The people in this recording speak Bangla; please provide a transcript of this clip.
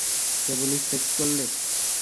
কেবলি সেক্স করলে!